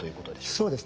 そうですね。